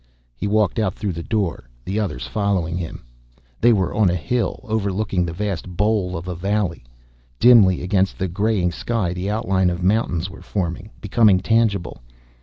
He walked out through the door, the others following him. They were on a hill, overlooking the vast bowl of a valley. Dimly, against the graying sky, the outline of mountains were forming, becoming tangible.